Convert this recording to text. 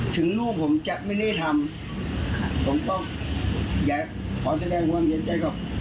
ถึงลูกผมจะไม่ได้ทำผมก็อยากขอแสดงความเสียใจกับ